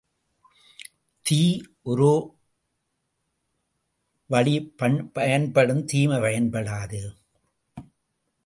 தீ, ஒரோ வழி பயன்படும் தீமை பயன்படாது.